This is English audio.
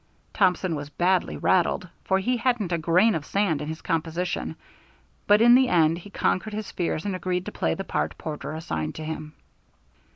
Thompson was badly rattled, for he hadn't a grain of sand in his composition, but in the end he conquered his fears and agreed to play the part Porter assigned to him.